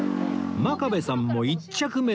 真壁さんも１着目で即決